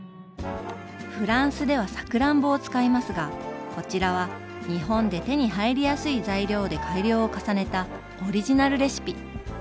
フランスではさくらんぼを使いますがこちらは日本で手に入りやすい材料で改良を重ねたオリジナルレシピ。